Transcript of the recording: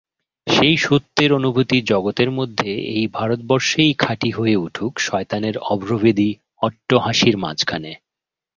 সেই সত্যের অনুভূতি জগতের মধ্যে এই ভারতবর্ষেই খাঁটি হয়ে উঠুক শয়তানের অভ্রভেদী অট্টহাসির মাঝখানে।